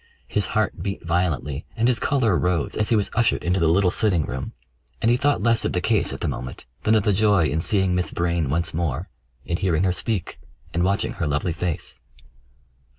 His heart beat violently and his colour rose as he was ushered into the little sitting room, and he thought less of the case at the moment than of the joy in seeing Miss Vrain once more, in hearing her speak, and watching her lovely face.